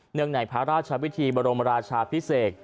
เนื่องในพระราชชาวพิธีบรมราชาพิเศษ